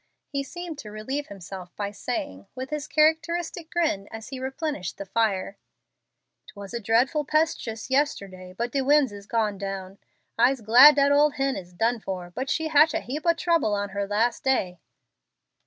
He seemed to relieve himself by saying, with his characteristic grin, as he replenished the fire, "It was dreadful 'pestuous yesterday, but de winds is gone down. I'se glad dat ole hen is done for, but she hatch a heap ob trouble on her las' day."